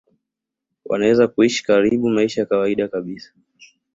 wanaweza kuishi karibu maisha ya kawaida kabisa